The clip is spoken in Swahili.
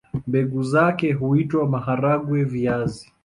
Mbegu zake huitwa maharagwe-viazi.